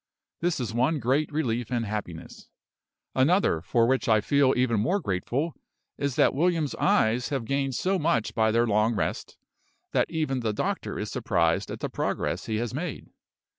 This is one great relief and happiness. Another, for which I feel even more grateful, is that William's eyes have gained so much by their long rest, that even the doctor is surprised at the progress he has made.